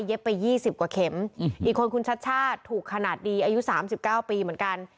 เย็บไปยี่สิบกว่าเข็มอีกคนคุณชัชชาถูกขนาดดีอายุสามสิบเก้าปีเหมือนกัน